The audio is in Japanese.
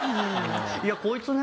いやこいつね